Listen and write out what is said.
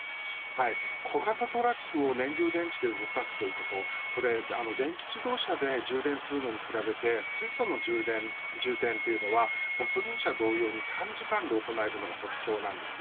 小型トラックを燃料電池で動かすということこれは電気自動車で充電するのに比べて水素の充填というのはガソリン車同様に短時間で行えるのが特徴です。